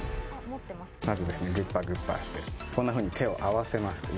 まずはグーパーして、こんなふうに手を合わせます。